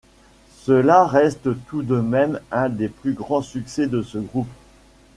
Cela reste tout de même un des plus grands succès de ce groupe.